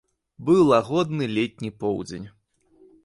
Быў лагодны летні поўдзень.